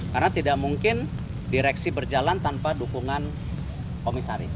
karena tidak mungkin direksi berjalan tanpa dukungan komisaris